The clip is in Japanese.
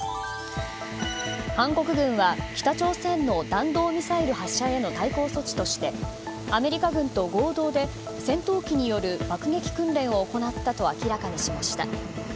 韓国軍は北朝鮮の弾道ミサイル発射への対抗措置としてアメリカ軍と合同で戦闘機による爆撃訓練を行ったと明らかにしました。